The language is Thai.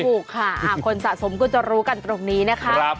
ถูกค่ะคนสะสมก็จะรู้กันตรงนี้นะคะ